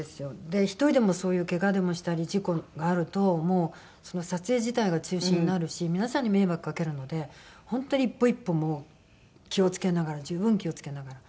で１人でもそういうけがでもしたり事故があるともうその撮影自体が中止になるし皆さんに迷惑かけるので本当に一歩一歩もう気を付けながら十分気を付けながら。